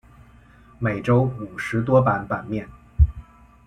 每周五十多版版面。